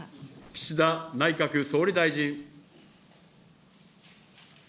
岸田内閣総理大臣。